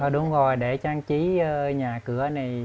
đúng rồi để trang trí nhà cửa này